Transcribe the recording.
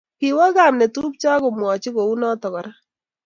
kiwaa kapnetupcho akomwachii kounatok kora